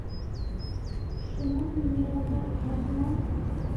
Шунан минералдар араһынан: